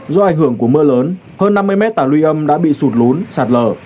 do ảnh hưởng của mưa lớn hơn năm mươi mét tả luy âm đã bị sụt lún sạt lờ